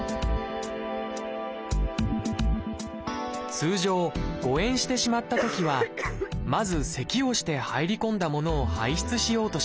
通常誤えんしてしまったときはまずせきをして入り込んだものを排出しようとします。